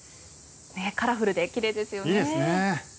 カラフルで奇麗ですよね。